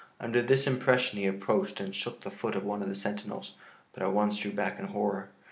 Under this impression he approached and shook the foot of one of the sentinels, but at once drew back in horror.